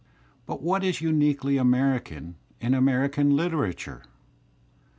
But what is uniquely American in American Uterature?